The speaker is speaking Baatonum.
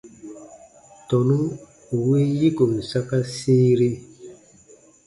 Tɔnu ù win yikon saka sĩire.